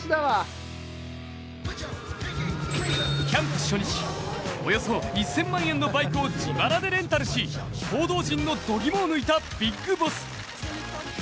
キャンプ初日、およそ１０００万円のバイクを自腹でレンタルし報道陣のどぎもを抜いたビッグボス。